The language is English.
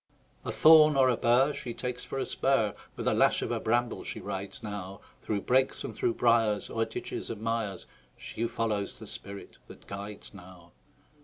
A thorn or a bur She takes for a spur; With a lash of a bramble she rides now, Through brakes and through briars, O'er ditches and mires, She follows the spirit that guides now.